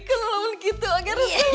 kalau begitu akhirnya seluruhnya